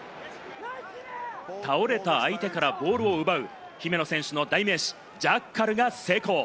倒れた相手からボールを奪う姫野選手の代名詞・ジャッカルが成功。